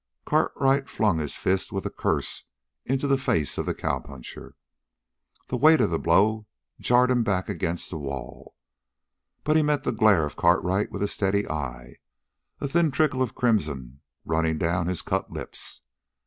Cartwright flung his fist with a curse into the face of the cowpuncher. The weight of the blow jarred him back against the wall, but he met the glare of Cartwright with a steady eye, a thin trickle of crimson running down his cut lips.